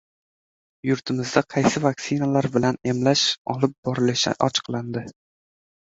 Yurtimizda qaysi vaktsinalar bilan emlash olib borilishi ochiqlandi